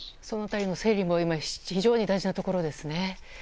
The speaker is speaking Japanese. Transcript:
その辺りの整理も非常に大事なところですね。